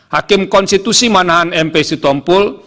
hakim konstitusi manahan m p sitompul